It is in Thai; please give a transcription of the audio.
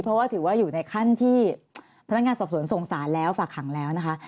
เพราะว่าถือว่าอยู่ในขั้นที่พนักงานสอบสวนส่งสารแล้วฝากขังแล้วนะคะ